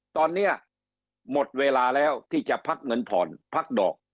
ตอนนี้หมดเวลาแล้วที่จะพักเงินผ่อนพักดอก